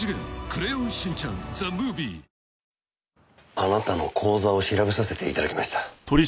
あなたの口座を調べさせていただきました。